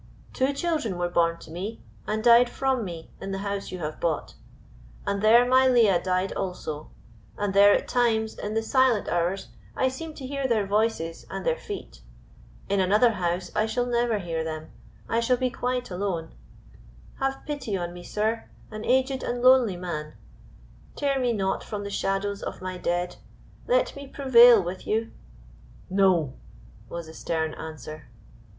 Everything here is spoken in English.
Two children were born to me and died from me in the house you have bought; and there my Leah died also; and there at times in the silent hours I seem to hear their voices and their feet. In another house I shall never hear them I shall be quite alone. Have pity on me, sir, an aged and a lonely man; tear me not from the shadows of my dead. Let me prevail with you?" "No!" was the stern answer.